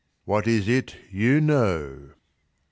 What is it you know? _She.